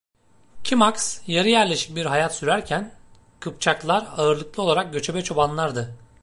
Kimaks yarı yerleşik bir hayat sürerken, Kıpçaklar ağırlıklı olarak göçebe çobanlardı.